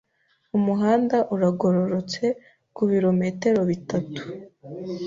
Umuhanda uragororotse kubirometero bitatu.